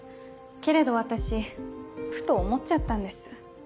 けれど私ふと思っちゃったんです。